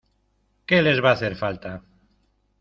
que les va a hacer falta.